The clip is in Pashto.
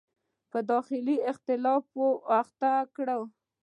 په داخلي اختلافاتو اخته کړي.